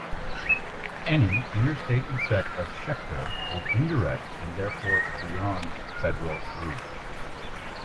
Any interstate effect of Schechter was indirect, and therefore beyond federal reach.